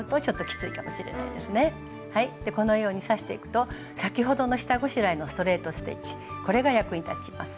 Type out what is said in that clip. このように刺していくと先ほどの下ごしらえのストレート・ステッチこれが役に立ちます。